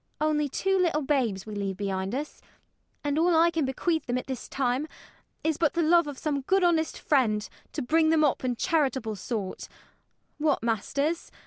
Only two little babes we leave behind us, And all I can bequeath them at this time Is but the love of some good honest friend, To bring them up in charitable sort: What, masters!